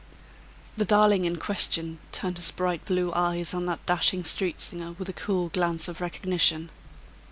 The darling in question turned his bright blue eyes on that dashing street singer with a cool glance of recognition.